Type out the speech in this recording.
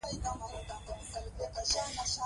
سیلاني ځایونه د افغانستان په ستراتیژیک اهمیت کې دي.